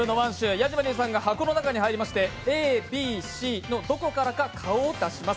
ヤジマリーさんが箱の中に入りまして、ＡＢＣのどこからか顔を出します。